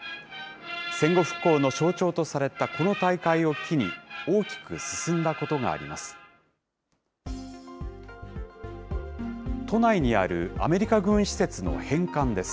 戦後復興の象徴とされたこの大会を機に、大きく進んだことがあります。